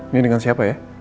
ini dengan siapa ya